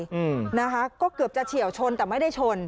อืมนะคะก็เกือบจะเฉียวชนแต่ไม่ได้ชน